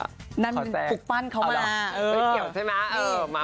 เอาละได้ยอมใช่ไหมเออเม้าท์นั่นเป็นปลุกปั้นเขามา